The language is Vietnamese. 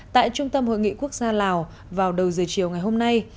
tại trung tâm hội nghị quốc gia lào vào đầu giờ chiều ngày hôm nay